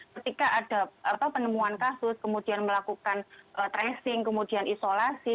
ketika ada penemuan kasus kemudian melakukan tracing kemudian isolasi